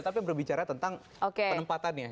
tapi berbicara tentang penempatannya